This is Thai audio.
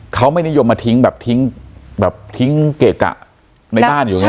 เขาไม่นิยมมาทิ้งแบบทิ้งเกะกะในบ้านอยู่นะครับ